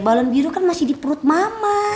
balon biru kan masih di perut mama